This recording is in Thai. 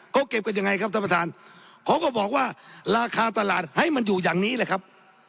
เขาเก็บกันยังไงครับท่านประธานเขาก็บอกว่าราคาตลาดให้มันอยู่อย่างนี้แหละครับ